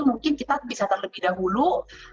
mungkin kita bisa terlebih dahulu